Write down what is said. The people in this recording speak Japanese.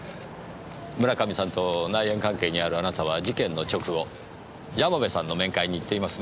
村上さんと内縁関係にあるあなたは事件の直後山部さんの面会に行っていますね。